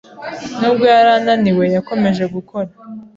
Nubwo yari ananiwe, yakomeje gukora.